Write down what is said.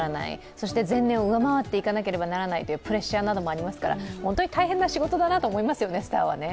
そして前年を上回っていかなければならないというプレッシャーなどもありますから、大変な仕事だと思いますよね、スターは。